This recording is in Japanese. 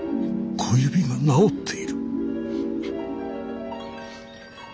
小指が治っている。